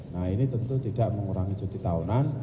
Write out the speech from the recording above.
nah ini tentu tidak mengurangi cuti tahunan